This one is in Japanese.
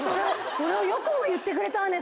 それを「よくも言ってくれたわね